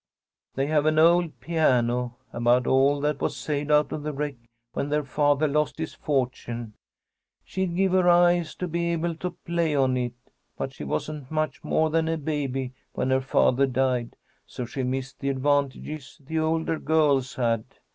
"They have an old piano, about all that was saved out of the wreck when their father lost his fortune. She'd give her eyes to be able to play on it. But she wasn't much more than a baby when her father died, so she missed the advantages the older girls had.